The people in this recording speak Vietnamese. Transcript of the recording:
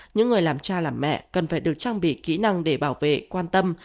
những người làm cha làm mẹ cần phải được trang bị kỹ năng để bảo vệ quan tâm